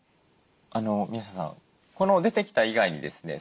宮下さん出てきた以外にですね